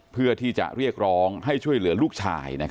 เพื่อที่จะเรียกร้องให้ช่วยเหลือลูกชาย